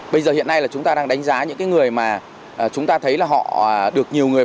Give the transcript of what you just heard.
bây giờ hiện nay chúng ta đang đánh giá những người mà chúng ta thấy họ được nhiều người follow hay được nhiều người